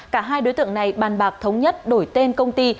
cả hai đối tượng này bàn bạc thống nhất đổi tên công ty